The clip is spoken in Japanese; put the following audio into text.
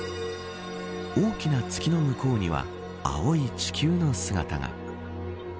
大きな月の向こうには青い地球の姿が。